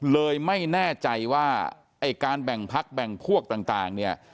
เลยไม่แน่ใจว่าไอ้การแบ่งพักแบ่งพวกต่างเนี่ย